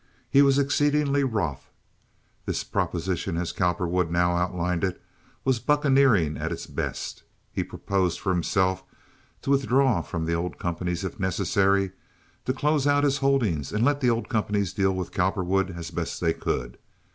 He was exceedingly wroth. This proposition as Cowperwood now outlined it was bucaneering at its best. He proposed for himself to withdraw from the old companies if necessary, to close out his holdings and let the old companies deal with Cowperwood as best they could.